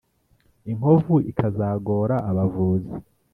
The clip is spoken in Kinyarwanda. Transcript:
Inkovu ikazagora abavuzi,